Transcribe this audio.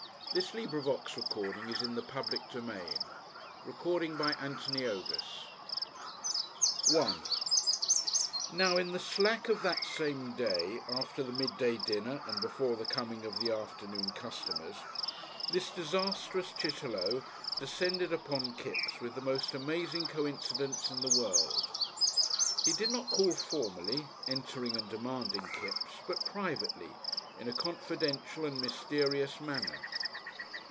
summoned him once more to face the world. CHAPTER VI THE UNEXPECTED §1 Now in the slack of that same day, after the midday dinner and before the coming of the afternoon customers, this disastrous Chitterlow descended upon Kipps with the most amazing coincidence in the world. He did not call formally, entering and demanding Kipps, but privately, in a confidential and mysterious manner.